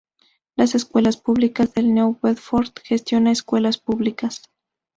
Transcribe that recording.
Las Escuelas Públicas de New Bedford gestiona escuelas públicas.